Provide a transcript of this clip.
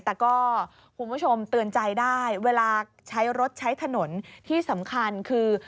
แต่ก็คุณผู้ชมเตือนใจได้เวลาใช้รถใช้ถนนที่สำคัญคือ